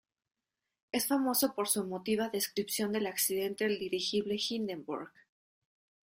Es famoso por su emotiva descripción del accidente del dirigible Hindenburg.